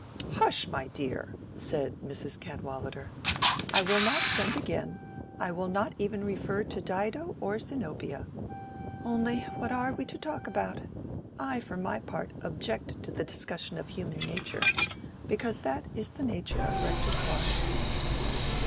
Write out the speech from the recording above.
"Hush, my dear!" said Mrs. Cadwallader. "I will not offend again. I will not even refer to Dido or Zenobia. Only what are we to talk about? I, for my part, object to the discussion of Human Nature, because that is the nature of rectors' wives."